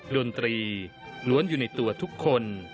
ดนตรีล้วนอยู่ในตัวทุกคน